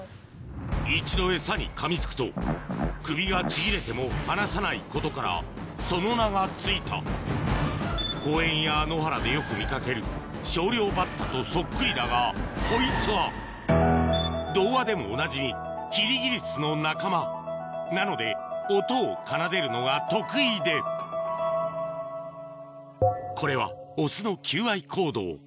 一度エサにかみつくと首がちぎれても離さないことからその名が付いた公園や野原でよく見掛けるショウリョウバッタとそっくりだがこいつは童話でもおなじみキリギリスの仲間なので音を奏でるのが得意でこれはオスの求愛行動